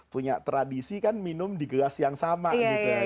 punya tradisi kan minum di gelas yang sama gitu